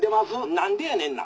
「何でやねんな。